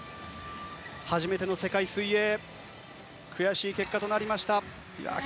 初めての世界水泳悔しい結果となりました。